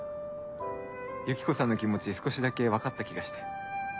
ユキコさんの気持ち少しだけ分かった気がして。